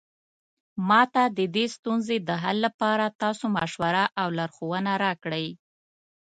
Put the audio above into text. ما ته د دې ستونزې د حل لپاره تاسو مشوره او لارښوونه راکړئ